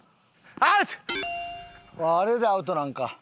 あれでアウトなんか。